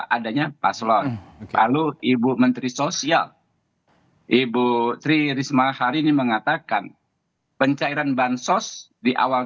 adanya paslon lalu ibu menteri sosial ibu tri risma hari ini mengatakan pencairan bansos di awal